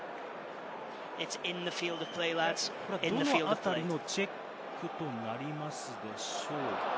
どの辺りのチェックとなりますでしょうか？